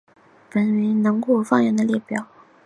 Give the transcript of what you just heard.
本表是蒙古语方言的列表。